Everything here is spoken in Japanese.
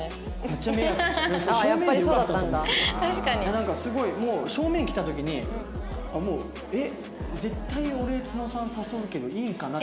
なんかすごいもう正面来た時にあっもうえっ絶対俺津野さん誘うけどいいのかな。